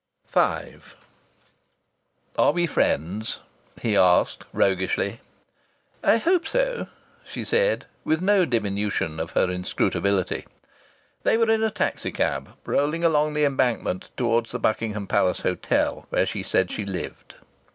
V "Are we friends?" he asked roguishly. "I hope so," she said, with no diminution of her inscrutability. They were in a taxi cab, rolling along the Embankment towards the Buckingham Palace Hotel, where she said she lived.